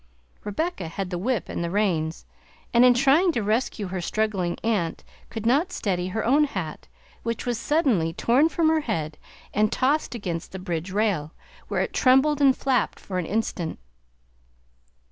Rebecca had the whip and the reins, and in trying to rescue her struggling aunt could not steady her own hat, which was suddenly torn from her head and tossed against the bridge rail, where it trembled and flapped for an instant.